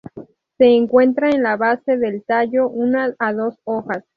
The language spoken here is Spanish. Se encuentra en la base del tallo una a dos hojas.